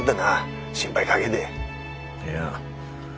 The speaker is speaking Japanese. いや。